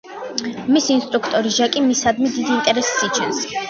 მისი ინსტრუქტორი, ჟაკი, მისდამი დიდ ინტერესს იჩენს.